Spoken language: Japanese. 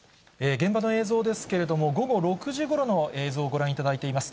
現場の映像ですけれども、午後６時ごろの映像をご覧いただいています。